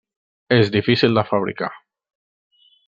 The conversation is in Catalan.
És difícil de fabricar.